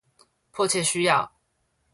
迫切需要